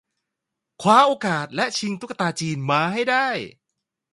คว้าโอกาสและชิงตุ๊กตาจีนมาให้ได้